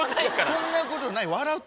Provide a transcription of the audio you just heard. そんなことない笑う。